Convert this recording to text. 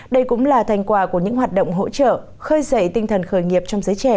đây cũng là thành quả của những hoạt động hỗ trợ khơi dậy tinh thần khởi nghiệp trong giới trẻ